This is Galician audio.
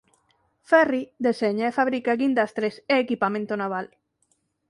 Ferri deseña e fabrica guindastres e equipamento naval.